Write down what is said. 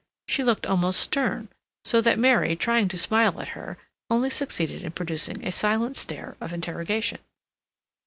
She looked almost stern, so that Mary, trying to smile at her, only succeeded in producing a silent stare of interrogation.